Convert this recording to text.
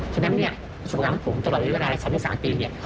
ฉะนั้นสุขภัณฑ์ผมตลอดในเวลา๓๓ปี